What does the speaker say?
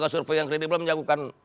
survei yang kredibel menyangkutkan